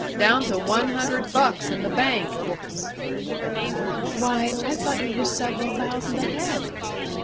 Down to one hundred bucks in the bank." "Why, I thought you were several thousand ahead!"